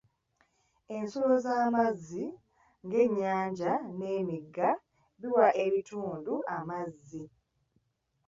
Ensulo z'amazzi ng'ennyanja n'emigga biwa ekitundu amazzi.